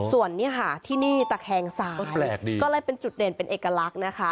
ส่วนนี้ฮะตะแคงซ้ายก็เป็นจุดเด่นเป็นเอกลักษณ์นะคะ